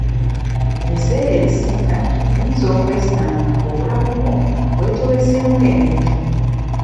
Ebiseera ebisinga oyinza okwesanga ng'obulamu bwo bwetobeseemu ebintu,